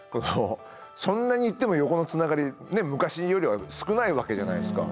そんなに言っても横のつながり昔よりは少ないわけじゃないですか。